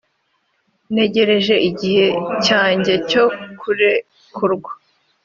ntegereje igihe cyanjye cyo kurekurwa